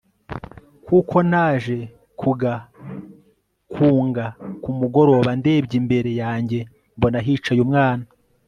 kuko naje kugakunga kumugoroba ndebye imbere yanjye mbona hicaye umwana